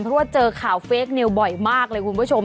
เพราะว่าเจอข่าวเฟคนิวบ่อยมากเลยคุณผู้ชม